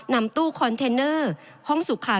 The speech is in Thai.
นำตู้คอนเทนเนอร์ห้องสุขค่ะ